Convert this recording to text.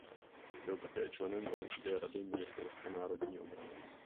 Byl také členem vojenské rady Ministerstva národní obrany.